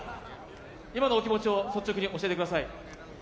今のお気持ちを率直にお伝えください。